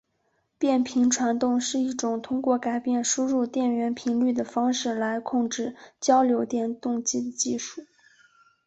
变频传动是一种通过改变输入电源频率的方式来控制交流电动机的技术。